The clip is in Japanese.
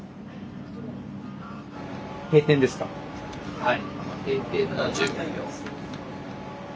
はい。